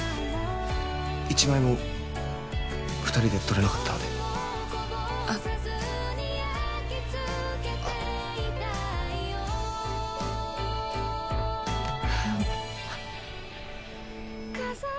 一枚も２人で撮れなかったんであっあっ